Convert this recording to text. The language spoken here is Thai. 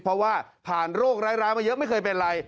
เพราะว่าผ่านโรคร้ายมาเยอะไม่เคยเป็นไร